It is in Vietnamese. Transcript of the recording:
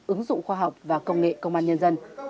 ứng dụng khoa học và công nghệ công an nhân dân